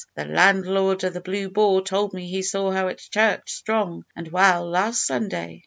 The landlord of the `Blue Boar' told me he saw her at church strong and well last Sunday."